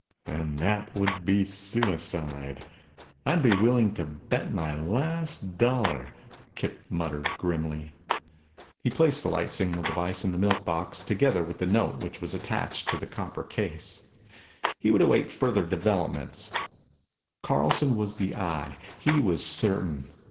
"And that would be suicide, I'd be willing to bet my last dollar!" Kip muttered grimly. He replaced the light signal device in the milk box together with the note which was attached to the copper case. He would await further developments. Carlson was the Eye, he was certain.